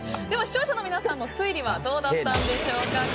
では視聴者の皆さんの推理はどうだったんでしょうか。